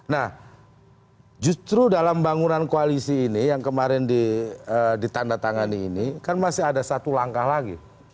nah justru dalam bangunan koalisi ini yang kemarin ditandatangani ini kan masih ada satu langkah lagi